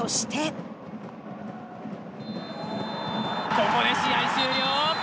ここで試合終了。